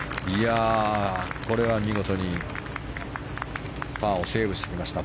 これは見事にパーをセーブしてきました。